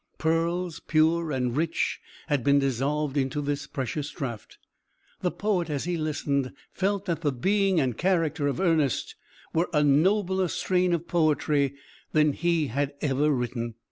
Pearls, pure and rich, had been dissolved into this precious draught. The poet, as he listened, felt that the being and character of Ernest were a nobler strain of poetry than he had ever written.